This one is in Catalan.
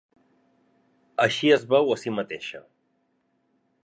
Així es veu a si mateixa.